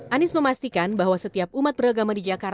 anies memastikan bahwa setiap umat beragama